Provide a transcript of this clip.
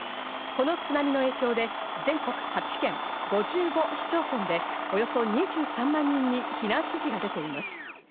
この津波の影響で全国８県５５市町村で、およそ２３万人に避難指示が出ています。